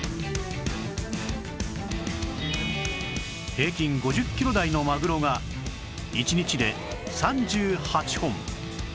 平均５０キロ台のマグロが１日で３８本